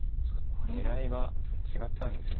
狙いが違ったんです。